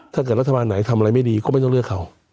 ถ้าเกิดรัฐบาลไหนทำอะไรไม่ดีก็ไม่ต้องเลือกเขา